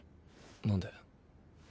何で？